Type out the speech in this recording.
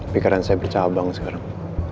pikiran saya bercabang sekarang